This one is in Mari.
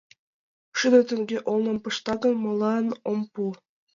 Шӱдӧ теҥге олным пышта гын, молан ом пу?..